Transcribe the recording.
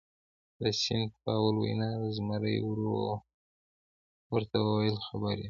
دا د سینټ پاول وینا ده، زمري ورو ورته وویل: خبر یم.